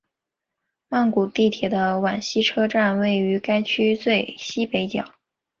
曼谷地铁的挽赐车站位于该区最西北角。